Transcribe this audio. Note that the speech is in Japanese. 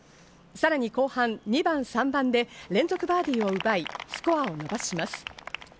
さらに後半２番、３番で連続バーディーを奪いスコアを伸ばします。